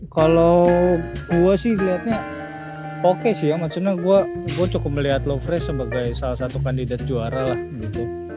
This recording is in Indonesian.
kalau gue sih ngeliatnya oke sih ya maksudnya gue cukup melihat loverest sebagai salah satu kandidat juara lah gitu